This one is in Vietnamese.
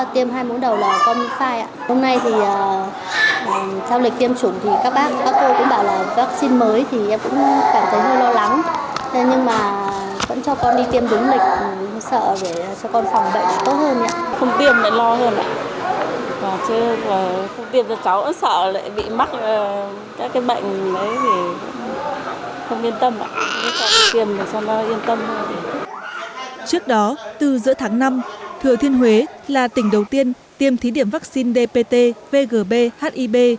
trước đó từ giữa tháng năm thừa thiên huế là tỉnh đầu tiên tiêm thí điểm vaccine dpt vgb hib